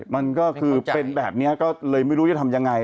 มันก็คือเป็นแบบนี้ก็เลยไม่รู้จะทำยังไง